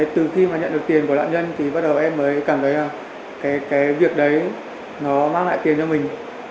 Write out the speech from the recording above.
từ khi nhận được tiền của nạn nhân em mới cảm thấy việc đấy nó mang lại tiền cho mình